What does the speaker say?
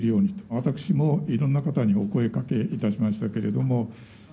私もいろんな方にお声かけいたしましたけれども。